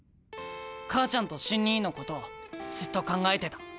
母ちゃんと瞬兄のことをずっと考えてた。